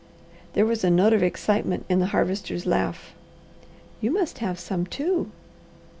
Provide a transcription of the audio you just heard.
There was a note of excitement in the Harvester's laugh. "You must have some, too!"